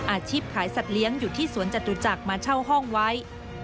อาชีพขายสัตว์เลี้ยงอยู่ที่สวนจตุจักรมาเช่าห้องไว้